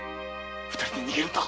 二人で逃げるんだ。